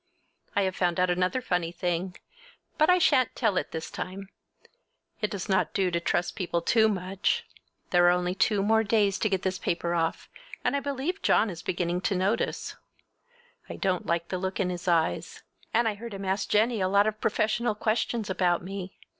I have found out another funny thing, but I shan't tell it this time! It does not do to trust people too much. There are only two more days to get this paper off, and I believe John is beginning to notice. I don't like the look in his eyes. And I heard him ask Jennie a lot of professional questions about me.